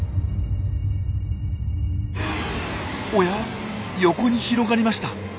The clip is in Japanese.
おや横に広がりました。